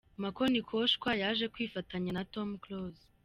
Mako Nikoshwa yaje kwifatanya na Tom Close.